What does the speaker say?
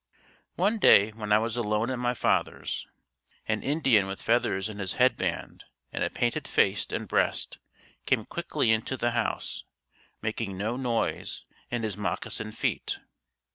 One day when I was alone at my father's, an Indian with feathers in his headband and a painted face and breast came quickly into the house, making no noise in his moccasined feet.